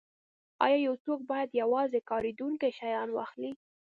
ایا یو څوک باید یوازې کاریدونکي شیان واخلي